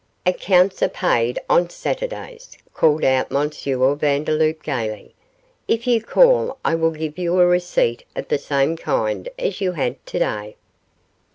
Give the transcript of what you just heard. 'Accounts are paid on Saturdays,' called out M. Vandeloup, gaily; 'if you call I will give you a receipt of the same kind as you had to day.